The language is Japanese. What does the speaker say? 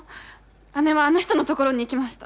姉はあの人のところに行きました。